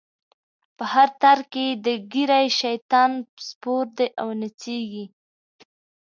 په هر تار کی یی د ږیری، شیطان سپور دی او نڅیږی